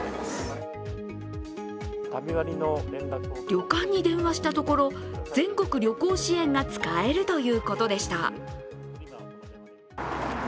旅館に電話したところ、全国旅行支援が使えるということでした。